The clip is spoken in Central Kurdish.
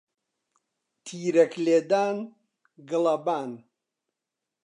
تیرەک لێدان، گڵەبان